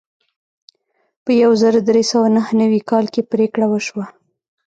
په یو زر درې سوه نهه نوي کال کې پریکړه وشوه.